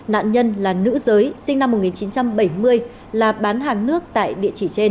nạn nhân là nữ giới sinh năm một nghìn chín trăm bảy mươi là bán hàng nước tại địa chỉ trên